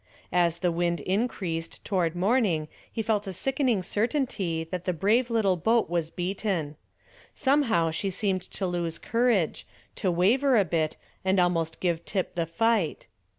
As the wind increased toward morning he felt a sickening certainty that the brave little boat was beaten. Somehow she seemed to lose courage, to waver a bit and almost give tip the fight.